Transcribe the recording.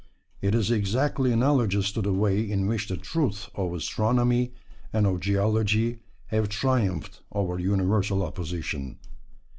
It is exactly analogous to the way in which the truths of astronomy and of geology have triumphed over universal opposition.